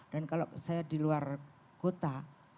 dan kalau saya di luar kota